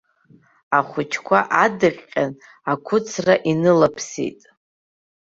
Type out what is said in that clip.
Ахәыҷқәа адыҟьҟьан ақәыцра инылаԥсеит.